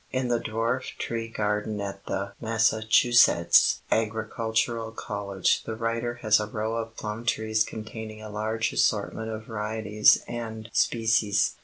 In the dwarf tree garden at the Massachusetts Agricultural College the writer has a row of plum trees containing a large assortment of varieties and species.